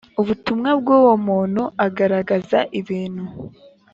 ubutumwa bw uwo muntu agaragaza ibintu